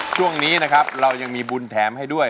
ช่วงนี้นะครับเรายังมีบุญแถมให้ด้วย